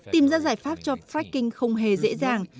tìm ra giải pháp cho fracking không hề dễ dàng